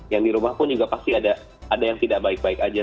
yang di rumah pun juga pasti ada yang tidak baik baik aja